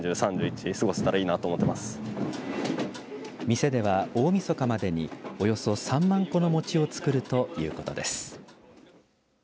店では、大みそかまでにおよそ３万個の餅を作るということです。